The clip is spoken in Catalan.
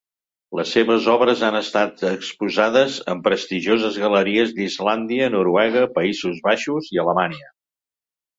Les seves obres han estat exposades en prestigioses galeries d'Islàndia, Noruega, Països Baixos i Alemanya.